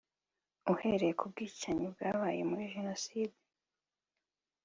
Ahereye ku bwicanyi bwabaye muri jenoside